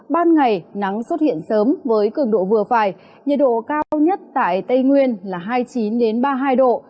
ban ngày nắng xuất hiện sớm với cường độ vừa phải nhiệt độ cao nhất tại tây nguyên là hai mươi chín ba mươi hai độ